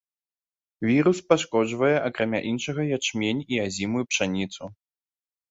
Вірус пашкоджвае акрамя іншага ячмень і азімую пшаніцу.